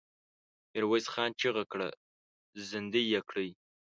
ميرويس خان چيغه کړه! زندۍ يې کړئ!